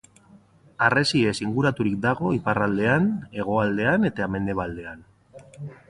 Harresiez inguraturik dago iparraldean, hegoaldean eta mendebaldean.